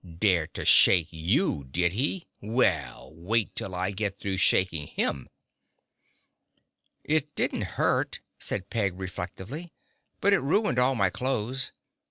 Dared to shake you, did he? Well, wait till I get through shaking him!" "It didn't hurt," said Peg reflectively, "but it ruined all my clothes.